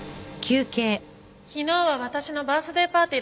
昨日は私のバースデーパーティーだったの。